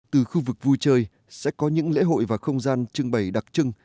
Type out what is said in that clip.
từ khu vực vui chơi sẽ có những lễ hội và không gian trưng bày đặc trưng